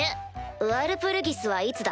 ワルプルギスはいつだ？